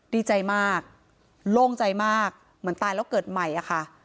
ดีใจมากโล่งใจมากเหมือนตายแล้วเกิดใหม่อะค่ะ